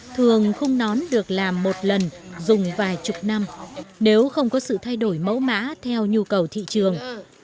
thường không nón được làm một lần dùng vài chục năm nếu không có sự thay đổi mẫu mã theo nhu cầu thị trường